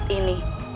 kita harus mencari